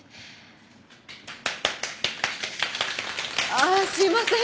あっすいません。